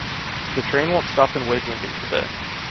The train won’t stop in Waiblingen today.